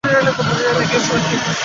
বাইকটায় চড়!